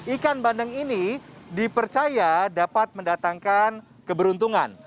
ikan bandeng ini dipercaya dapat mendatangkan keberuntungan